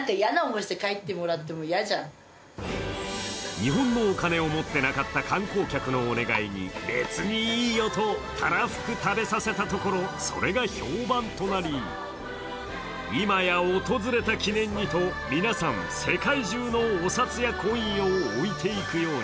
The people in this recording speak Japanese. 日本のお金を持っていなかった観光客のお願いに「別にいいよ」とたらふく食べさせたところ、それが評判となり、今や訪れた記念にと皆さん、世界中のお札やコインを置いていくように。